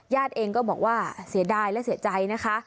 เองก็บอกว่าเสียดายและเสียใจนะคะ